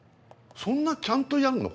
そんなちゃんとやんの？